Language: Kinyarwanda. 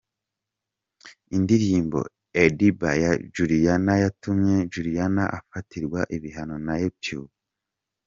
Indirimbo Eddiba ya Juliana yatumye Juliana afatirwa ibihano na Youtube:.